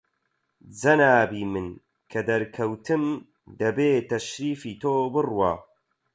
جەنابی من کە دەرکەوتم، دەبێ تەشریفی تۆ بڕوا